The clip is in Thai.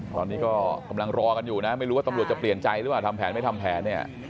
ตอนนี้ก็กำลังรอกันอยู่นะไม่รู้ว่าตำรวจจะเปลี่ยนใจหรือเปล่าทำแผนไม่ทำแผนเนี่ย